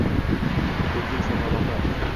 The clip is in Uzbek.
Bu keng samolarda